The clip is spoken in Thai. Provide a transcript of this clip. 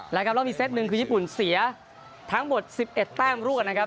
แล้วครับแล้วมีเซตหนึ่งคือญี่ปุ่นเสียทั้งหมด๑๑แต้มรวดนะครับ